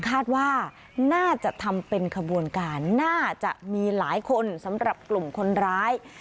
คาดว่าน่าจะทำเป็นขบวนการน่าจะมีหลายคนสำหรับกลุ่มคนร้าย